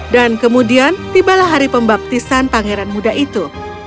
dan kemudian tibalah hari pembaptisan pangeran muda itu